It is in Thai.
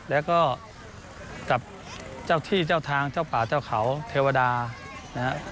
แล้วก็กับเจ้าที่เจ้าทางเจ้าป่าเจ้าเขาเทวดานะฮะ